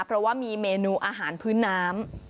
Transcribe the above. เพราะว่ามีเมนูอาหารพื้นน้ำ